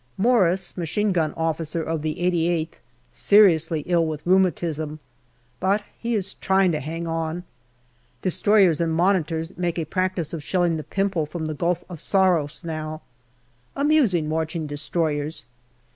Morris, Machine Gun Officer of the 88th, seriously ill with rheumatism, but he is trying to hang on. Destroyers and Monitors make a practice of shelling the Pimple from the Gulf of Saros now. Amusing watching destroyers.